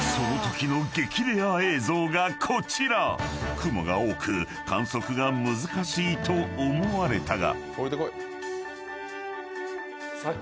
［雲が多く観測が難しいと思われたが］